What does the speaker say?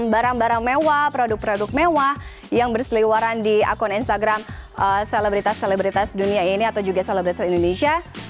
barang barang mewah produk produk mewah yang berseliwaran di akun instagram selebritas selebritas dunia ini atau juga selebritas indonesia